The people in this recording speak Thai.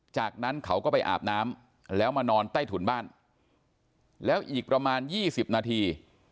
จากนั้นเขาก็ไปอาบน้ำแล้วมานอนใต้ถุนบ้านแล้วอีกประมาณ๒๐นาที